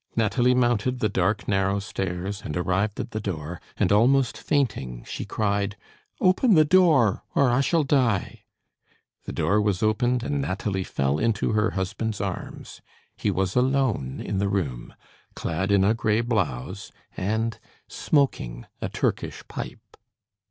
Nathalie mounted the dark, narrow stairs, and arrived at the door, and, almost fainting, she cried: "Open the door, or I shall die!" The door was opened, and Nathalie fell into her husband's arms. He was alone in the room, clad in a gray blouse, and smoking a Turkish pipe.